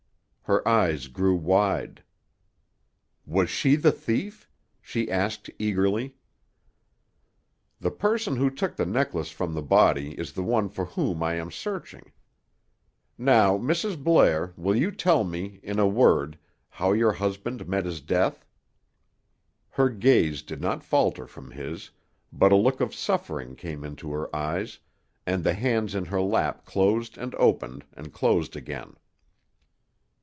Her eyes grew wide. "Was she the thief?" she asked eagerly. "The person who took the necklace from the body is the one for whom I am searching. Now, Mrs. Blair, will you tell me, in a word, how your husband met his death?" Her gaze did not falter from his, but a look of suffering came into her eyes, and the hands in her lap closed and opened, and closed again.